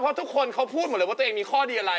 เพราะทุกคนเขาพูดหมดเลยว่าตัวเองมีข้อดีอะไร